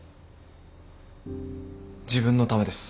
自分のためです。